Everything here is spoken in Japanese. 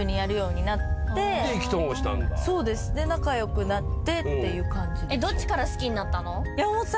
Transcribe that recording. そうですで仲良くなってっていう感じ。